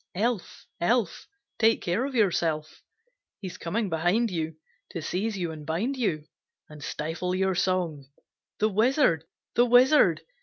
Elf, Elf, Take care of yourself! He's coming behind you, To seize you and bind you, And stifle your song. The Wizard! the Wizard!